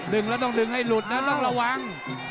ดึงแล้วต้องดึงให้หลุดนะต้องระวัง